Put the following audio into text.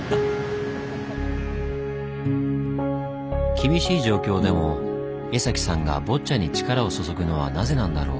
厳しい状況でも江崎さんがボッチャに力を注ぐのはなぜなんだろう。